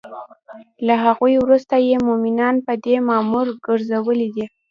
له هغوی وروسته یی مومنان په دی مامور ګرځولی دی